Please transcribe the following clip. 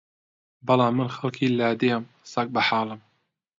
بەڵام من خەڵکی لادێم سەگ بەحاڵم